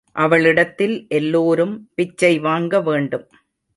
அவளிடத்தில் எல்லோரும் பிச்சை வாங்க வேண்டும்.